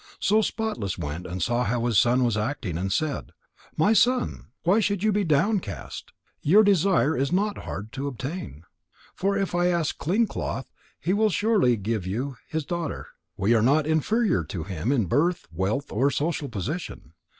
So Spotless went and saw how his son was acting, and said: "My son, why should you be downcast? Your desire is not hard to obtain. For if I ask Clean cloth, he will surely give you his daughter. We are not inferior to him in birth, wealth, or social position.